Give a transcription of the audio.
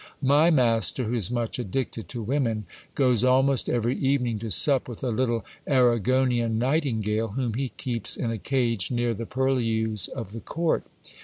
My master, who is much addicted to women, goes almost every evening to sup with a little Arragonian nightingale, whom he keeps in a cage near the purlieus of the court.